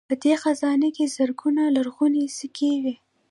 په دې خزانه کې زرګونه لرغونې سکې وې